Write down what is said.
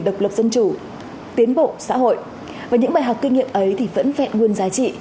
độc lập dân chủ tiến bộ xã hội và những bài học kinh nghiệm ấy thì vẫn vẹn nguyên giá trị